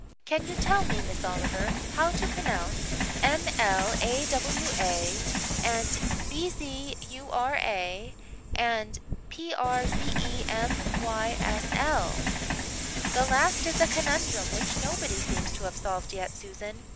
"Can you tell me, Miss Oliver, how to pronounce M l a w a and B z u r a and P r z e m y s l?" "That last is a conundrum which nobody seems to have solved yet, Susan.